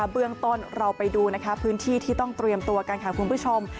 เบื้องต้นเราไปดูพื้นที่ที่ต้องเตรียมตัวกันค่ะคุณผู้ชม